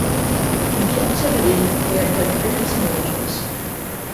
In captivity they are fed crickets and roaches.